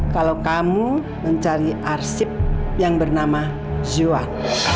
kalau kamu mencari arsip yang bernama zuan